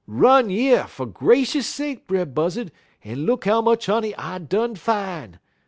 Run yer, fer gracious sake, Brer Buzzud, en look how much honey I done fine!